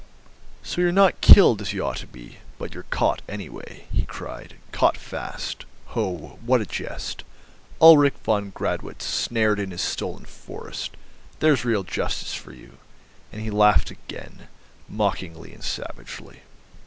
"So you're not killed, as you ought to be, but you're caught, anyway," he cried; "caught fast. Ho, what a jest, Ulrich von Gradwitz snared in his stolen forest. There's real justice for you!" And he laughed again, mockingly and savagely.